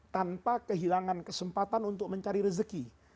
tanpa kehilangan kesempatan untuk mencari rezeki